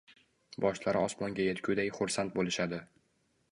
boshlari osmonga yetguday xursand bo‘lishadi